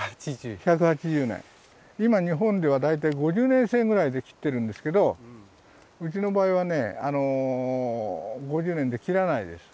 今日本では大体５０年生ぐらいで切ってるんですけどうちの場合はね５０年で切らないです。